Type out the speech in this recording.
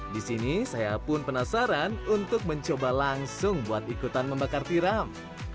di sini saya pun penasaran untuk mencoba langsung buat ikutan membakar tiram